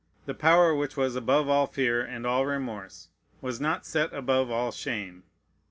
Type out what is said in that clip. The power which was above all fear and all remorse was not set above all shame.